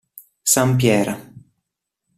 San Pier